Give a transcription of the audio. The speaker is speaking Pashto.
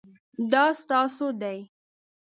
دا ستاسو دی؟